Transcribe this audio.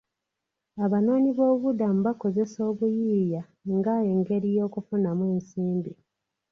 Abanoonyi boobubudamu bakozesa obuyiiya nga engeri y'okufunamu ensimbi